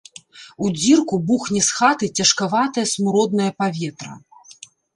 У дзірку бухне з хаты цяжкаватае смуроднае паветра.